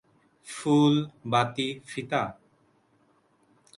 ফুল, বাতি, ফিতা?